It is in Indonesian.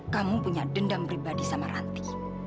kamu punya dendam pribadi sama ranti